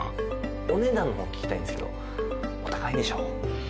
お値段を聞きたいんですけどお高いんでしょ？